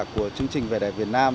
của chương trình về đẹp việt nam